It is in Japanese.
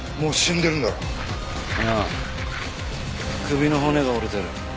首の骨が折れてる。